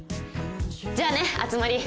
じゃあね熱護。